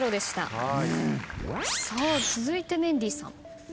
続いてメンディーさん。